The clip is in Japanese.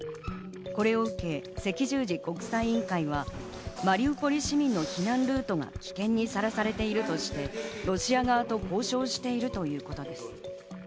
これを受け、赤十字国際委員会はマリウポリ市民の避難ルートが危険にさらされているとして、ロシア側と交渉しているということです。